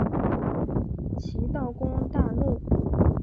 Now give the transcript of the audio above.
齐悼公大怒。